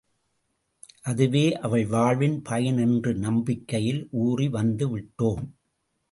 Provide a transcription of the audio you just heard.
அதுவே அவள் வாழ்வின் பயன் என்ற நம்பிக்கையில் ஊறி வந்துவிட்டோம்.